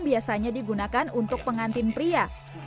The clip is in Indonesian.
biasanya digunakan untuk pengantin pria